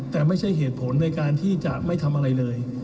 แต่ไม่ใช่เหตุผลในการที่จะไม่ทำอะไรเลย